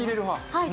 はい。